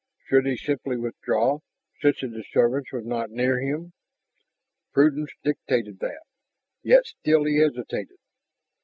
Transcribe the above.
Should he simply withdraw, since the disturbance was not near him? Prudence dictated that; yet still he hesitated.